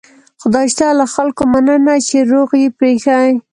خدای شته له خلکو مننه چې روغ یې پرېښي.